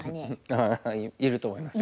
ああいると思いますよ。